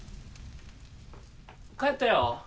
帰ったよ